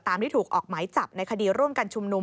ที่ถูกออกหมายจับในคดีร่วมกันชุมนุม